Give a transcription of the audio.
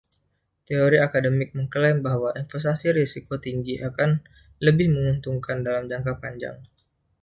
Teori akademik mengklaim bahwa investasi risiko tinggi akan lebih menguntungkan dalam “jangka panjang”.